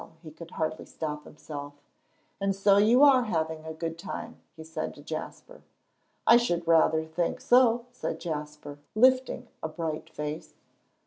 he could hardly stop himself. "And so you are having a good time," he said to Jasper. "I should rather think so," said Jasper, lifting a bright face.